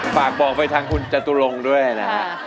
ฝากบอกไปทางคุณจตุรงค์ด้วยนะฮะ